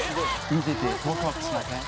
見ててワクワクしません？